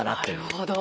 なるほど。